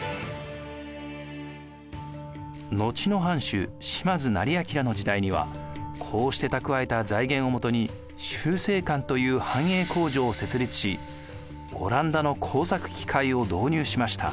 後の藩主島津斉彬の時代にはこうして蓄えた財源をもとに集成館という藩営工場を設立しオランダの工作機械を導入しました。